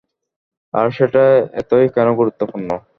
আর সেটা এতই কেন গুরুত্বপূর্ণ?